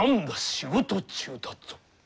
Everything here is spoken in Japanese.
仕事中だぞ。